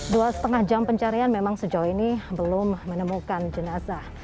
dua setengah jam pencarian memang sejauh ini belum menemukan jenazah